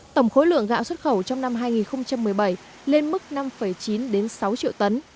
tổng khối lượng gạo xuất khẩu trong năm hai nghìn một mươi bảy lên mức năm chín sáu triệu tấn